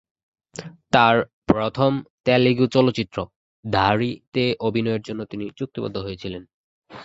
তাঁর প্রথম তেলুগু চলচ্চিত্র "ধারী"-তে অভিনয়ের জন্য তিনি চুক্তিবদ্ধ হয়েছিলেন।